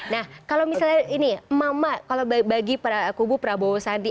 nah kalau misalnya ini emak emak kalau bagi kubu prabowo sandi